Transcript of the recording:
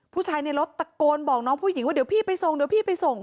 ผู้ชายในรถตะโกนบอกน้องผู้หญิงว่าเดี๋ยวพี่ไปส่งเดี๋ยวพี่ไปส่ง